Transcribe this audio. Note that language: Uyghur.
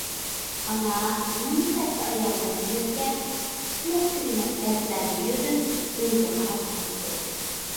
ئانا مىڭ تەستە ئاياغلىرىنى يۆتكەپ، پۈتمەس- تۈگىمەس دەردلەرنى يۈدۈپ ئۆيىگە قاراپ مېڭىپتۇ.